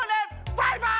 バイバイ！